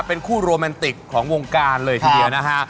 เป็นคู่โรแมนติกของวงการเลยทีเดียวนะฮะ